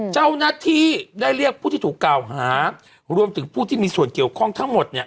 เจ้าหน้าที่ได้เรียกผู้ที่ถูกกล่าวหารวมถึงผู้ที่มีส่วนเกี่ยวข้องทั้งหมดเนี่ย